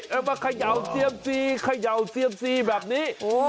เอามาเขย่าเซียมซีเขย่าเซียมซีแบบนี้